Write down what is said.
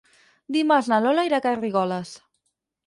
Dimarts na Lola irà a Garrigoles.